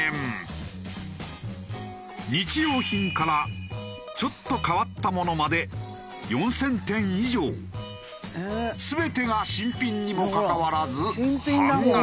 日用品からちょっと変わったものまで全てが新品にもかかわらず半額。